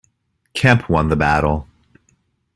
Kemp won the battle.